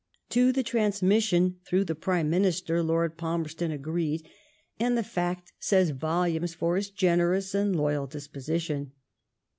To the transmission through the Prime Minister Lord Palmerston agreed ; and the fact says volumes for his generous and loyal disposition.